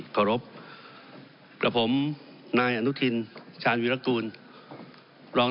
กรพข้อผมนายอณุทินชารวีไรรรกูลรอง